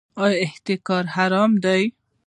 آیا احتکار حرام دی؟